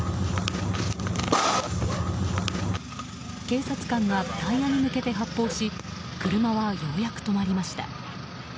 警察官がタイヤに向けて発砲し車は、ようやく止まりました。